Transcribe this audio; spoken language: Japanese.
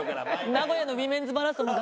名古屋のウィメンズマラソンも頑張ってね